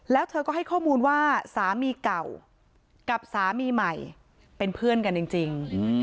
แล้วเธอก็ให้ข้อมูลว่าสามีเก่ากับสามีใหม่เป็นเพื่อนกันจริง